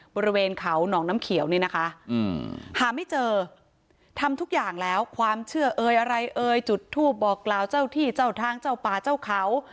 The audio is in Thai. บริเวณเขาหนองน้ำเขียวนี่นะคะหาไม่เจอทำทุกอย่างแล้วความเชื่อเอ่ยอะไรเอ่ยจุดทูปบอกกล่าวเจ้าที่เจ้าทางเจ้าป่าเจ้าเขา